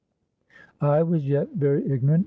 I was yet very ignorant.